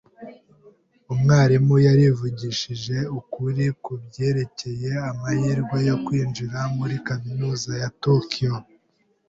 Umwarimu yarivugishije ukuri kubyerekeye amahirwe yo kwinjira muri kaminuza ya Tokiyo.